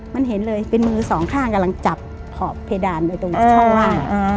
มันเห็นเลยเป็นมือสองข้างกำลังจับขอบเพดานไปตรงช่องว่าง